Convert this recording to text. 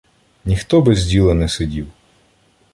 Ніхто без діла не сидів.